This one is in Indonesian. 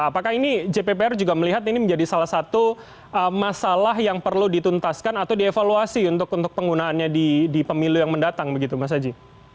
apakah ini jppr juga melihat ini menjadi salah satu masalah yang perlu dituntaskan atau dievaluasi untuk penggunaannya di pemilu yang mendatang begitu mas haji